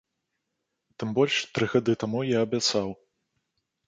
Тым больш, тры гады таму я абяцаў.